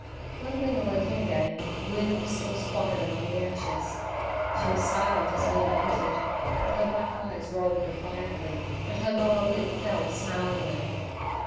When Mina went in again, Woona was still squatted among the ashes; she was silent as Mina entered, but her black eyes rolled defiantly and her lower lip fell snarlingly.